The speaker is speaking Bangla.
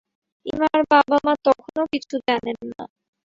ইমার বাবা-মা তখনো কিছু জানেন না।